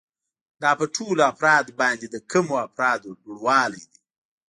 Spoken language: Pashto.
دا په ټولو افرادو باندې د کمو افرادو لوړوالی دی